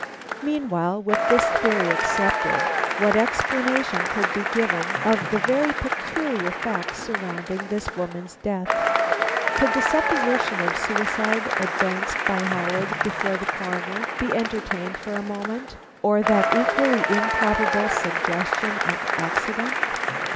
Meanwhile, with this theory accepted, what explanation could be given of the very peculiar facts surrounding this woman's death? Could the supposition of suicide advanced by Howard before the Coroner be entertained for a moment, or that equally improbable suggestion of accident?